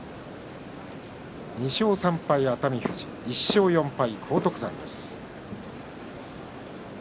２勝３敗の熱海富士１勝４敗の荒篤山。